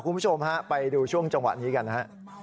คุณผู้ชมฮะไปดูช่วงจังหวะนี้กันนะฮะ